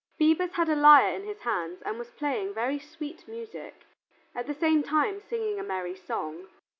Phoebus had a lyre in his hands and was playing very sweet music, at the same time singing a merry song.